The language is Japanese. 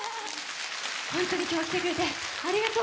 本当に今日は来てくれてありがとう！